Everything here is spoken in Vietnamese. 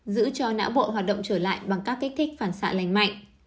giữ cho não bộ hoạt động trở lại bằng các kích thích phản xạ lành mạnh